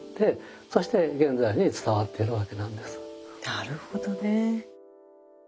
なるほどね。